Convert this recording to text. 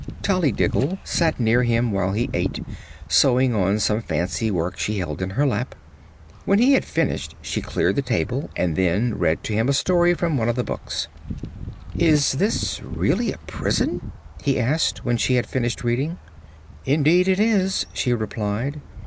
Tollydiggle sat near him while he ate, sewing on some fancy work she held in her lap. When he had finished she cleared the table and then read to him a story from one of the books. "Is this really a prison?" he asked, when she had finished reading. "Indeed it is," she replied.